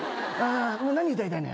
何歌いたいのよ？